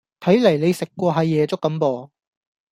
睇黎你食過下夜粥咁噃